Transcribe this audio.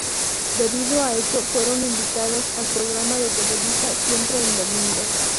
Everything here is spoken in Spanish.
Debido a ello fueron invitados al programa de Televisa "Siempre en domingo".